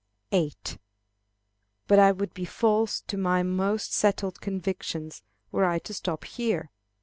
8. But I would be false to my most settled convictions, were I to stop here.